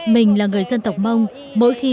mình là người dân tộc mông mỗi khi